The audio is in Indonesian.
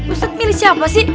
ustadz milih siapa sih